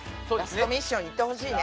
ラストミッションに行ってほしいね。